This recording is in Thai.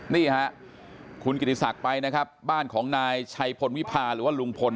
นี่ฮะคุณกิติศักดิ์ไปนะครับบ้านของนายชัยพลวิพาหรือว่าลุงพล